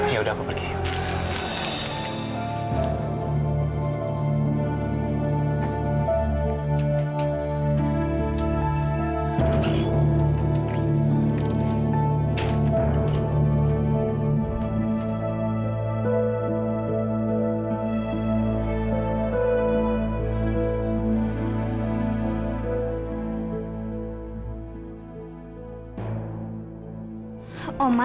ya udah aku pergi yuk